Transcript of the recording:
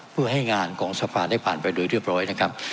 เพื่อให้งานของสภาได้ผ่านไปโดยเรียบร้อยนะครับ